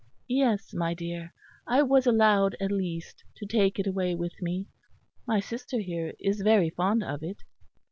"Yes, my dear. I was allowed at least to take it away with me. My sister here is very fond of it."